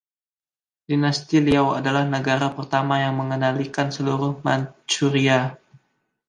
Dinasti Liao adalah negara pertama yang mengendalikan seluruh Manchuria.